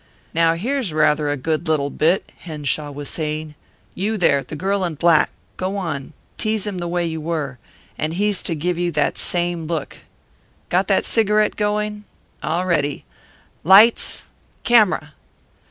"Now, here's rather a good little bit," Henshaw was saying. "You, there, the girl in black, go on tease him the way you were, and he's to give you that same look. Got that cigarette going? All ready. Lights! Camera!"